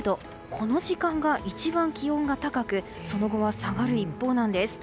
この時間が一番気温が高くその後は下がる一方なんです。